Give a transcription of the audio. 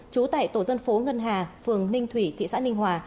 trú tại tổ dân phố ngân hà phường ninh thủy thị xã ninh hòa